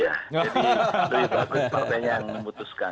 jadi dari bagian partainya yang memutuskan